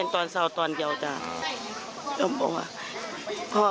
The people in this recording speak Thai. ยังเชื่อว่าลูกมีชีวิตอยู่และอยากให้ปฏิหารเกิดขึ้นค่ะ